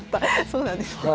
そうなんですね。